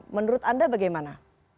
menurut anda bagaimana